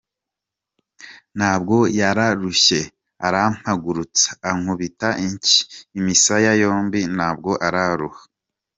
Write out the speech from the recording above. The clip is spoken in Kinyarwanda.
Nabwo yararushye arampagurutsa ankubita inshyi imisaya yombi nabwo araruha.